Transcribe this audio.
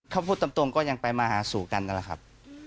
ถ้าพูดตรงก็ยังไปมาหาสู่กันนั่นแหละครับ